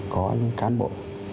có những cán bộ